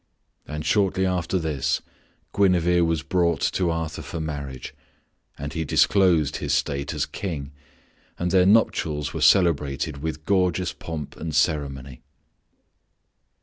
And shortly after this Guinevere was brought to Arthur for marriage, and he disclosed his state as King, and their nuptials were celebrated with gorgeous pomp and ceremony.